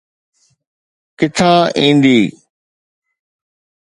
ڪٿان ايندي؟